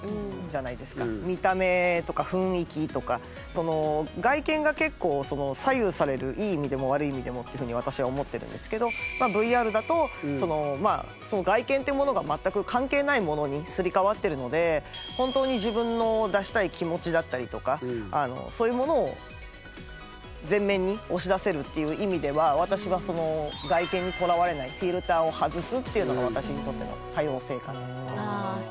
その外見が結構左右されるいい意味でも悪い意味でもっていうふうに私は思ってるんですけどＶＲだとその外見というものが全く関係ないものにすり替わってるので本当に自分の出したい気持ちだったりとかそういうものを前面に押し出せるっていう意味では私はその「外見にとらわれない」「フィルターを外す」っていうのが私にとっての多様性かなと思います。